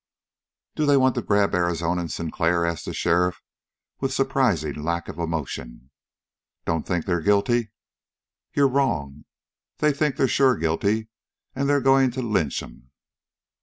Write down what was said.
"Do they want to grab Arizona and Sinclair?" asked the sheriff, with surprising lack of emotion. "Don't think they're guilty?" "You're wrong. They think they're sure guilty, and they're going to lynch 'em."